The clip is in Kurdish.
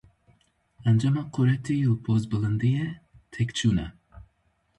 Encama quretî û pozbilindiyê, têkçûn e.